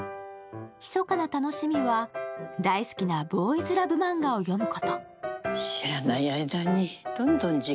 ひそかな楽しみは大好きなボーイズラブ漫画を読むこと。